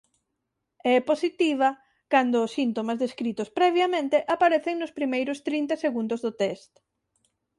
É positiva cando os síntomas descritos previamente aparecen no primeiros trinta segundos do test.